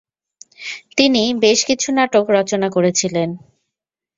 তিনি বেশ কিছু নাটক রচনা করেছিলেন ।